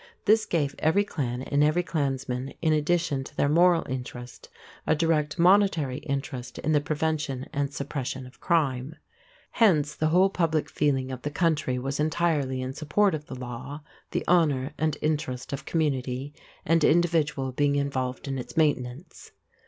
This gave every clan and every clansman, in addition to their moral interest, a direct monetary interest in the prevention and suppression of crime. Hence the whole public feeling of the country was entirely in support of the law, the honor and interest of community and individual being involved in its maintenance.